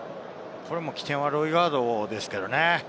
起点はロイガードですけれどね。